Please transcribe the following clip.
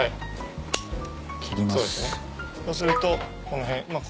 そうするとこの辺まあ